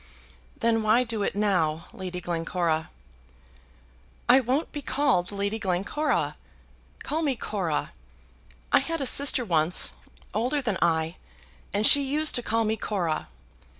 "Then why do it now, Lady Glencora?" "I won't be called Lady Glencora. Call me Cora. I had a sister once, older than I, and she used to call me Cora.